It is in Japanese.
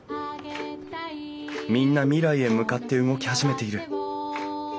みんな未来へ向かって動き始めている。